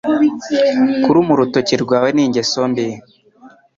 Kuruma urutoki rwawe ni ingeso mbi.